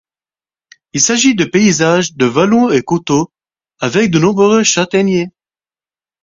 Il s'agit de paysages de vallons et coteaux, avec de nombreux châtaigniers.